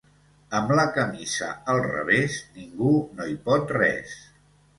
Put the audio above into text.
Amb la camisa al revés, ningú no hi pot res.